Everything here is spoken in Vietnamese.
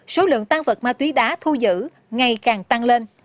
số lượng tăng vật ma túy đá thu giữ ngày càng tăng lên